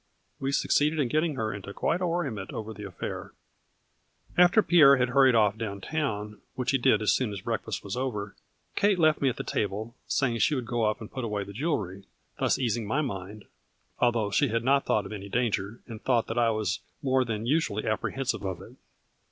We succeeded in getting her into quite a worriment over the affair. " After Pierre had hurried off down town, which he did as soon as breakfast was over, Kate left me at the table, saying she would go up and put away the jewelry, thus easing my mind, although she had not thought of any danger, and thought that I was more than usually apprehensive of it.